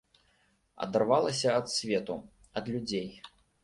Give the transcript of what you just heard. Адарвалася ад свету, ад людзей.